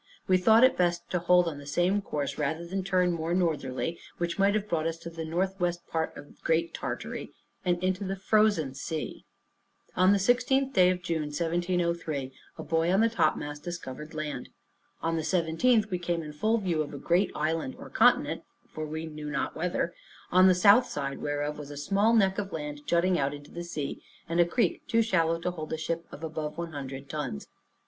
We thought it best to hold on the same course, rather than turn more northerly, which might have brought us to the northwest part of Great Tartary, and into the Frozen Sea. On the 16th day of June, 1703, a boy on the topmast discovered land. On the 17th, we came in full view of a great island, or continent (for we knew not whether); on the south side whereof was a small neck of land jutting out into the sea, and a creek too shallow to hold a ship of above one hundred tons.